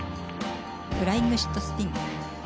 フライングシットスピン。